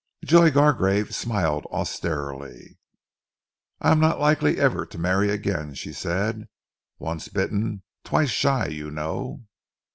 Joy Gargrave smiled austerely. "I am not likely ever to marry again," she said. "Once bitten, twice shy, you know."